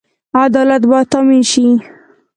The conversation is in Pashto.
عدالت باید تامین شي